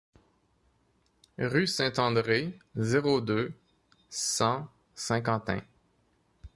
Rue Saint-André, zéro deux, cent Saint-Quentin